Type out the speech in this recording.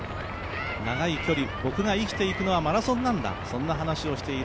長い距離、僕が生きていくのはマラソンなんだ、そんな話をしている。